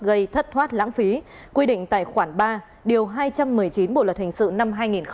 gây thất thoát lãng phí quy định tài khoản ba điều hai trăm một mươi chín bộ luật hình sự năm hai nghìn một mươi năm